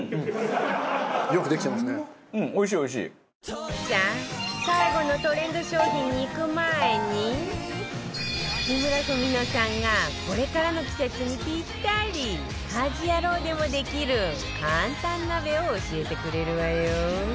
さあ最後のトレンド商品にいく前に木村文乃さんがこれからの季節にぴったり家事ヤロウでもできる簡単鍋を教えてくれるわよ